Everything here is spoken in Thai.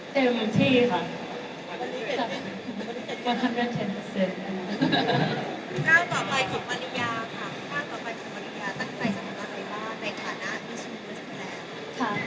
เต็มที่ค่ะ